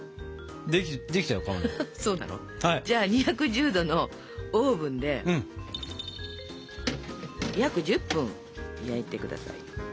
じゃあ２１０度のオーブンで約１０分焼いてください。